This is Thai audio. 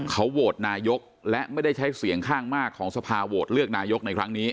เขาโหวตนายกและไม่ได้ใช้เสียงข้างมากของสภาโหวตเลือกนายกในครั้งนี้